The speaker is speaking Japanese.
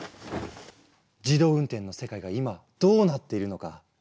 自動運転の世界が今どうなっているのか。